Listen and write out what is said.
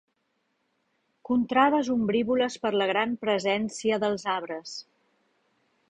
Contrades ombrívoles per la gran presència dels arbres.